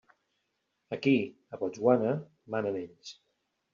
Aquí, a Botswana, manen ells.